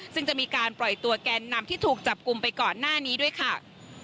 ซึ่งจะมีการปล่อยตัวแกนนำที่ถูกจับกลุ่มไปก่อนหน้านี้ด้วยค่ะ